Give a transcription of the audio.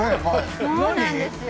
そうなんですよ